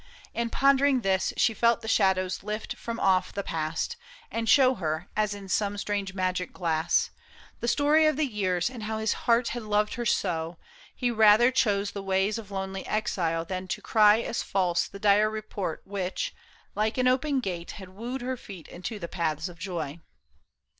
And pondering this, She felt the shadows lift from off the past. And show her, as in some strange magic glass. The stoiT of the years, and how his heart Had lored her so, he rather chose the ways Of lonely exile than to cry as false The dire report which, like an open gate Had wooed her feet into tiie paths of joy.